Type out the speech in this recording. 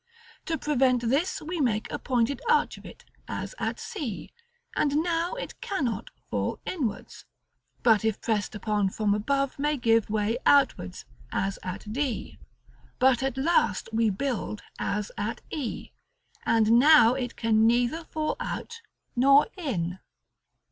To prevent this, we make a pointed arch of it, as at c; and now it cannot fall inwards, but if pressed upon from above may give way outwards, as at d. But at last we build as at e, and now it can neither fall out nor in.